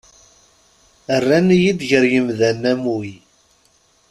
Rran-iyi-d gar yimdanen am wi.